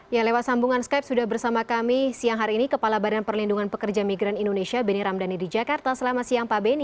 ya lewat sambungan skype sudah bersama kami siang hari ini kepala badan perlindungan pekerja migran indonesia benny ramdhani di jakarta selamat siang pak beni